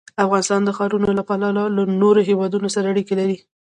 افغانستان د ښارونه له پلوه له نورو هېوادونو سره اړیکې لري.